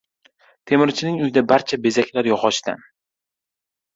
• Temirchining uyida barcha bezaklar yog‘ochdan.